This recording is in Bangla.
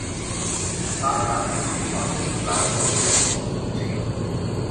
তাঁর গানগুলি স্বতন্ত্র গায়কদের জন্যও হিট ছিল।